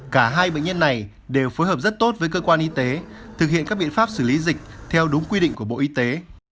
cả hai bệnh nhân này đều phối hợp rất tốt với cơ quan y tế thực hiện các biện pháp xử lý dịch theo đúng quy định của bộ y tế